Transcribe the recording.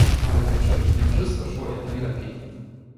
Ale pierwszego dnia wszystko szło jak najlepiej.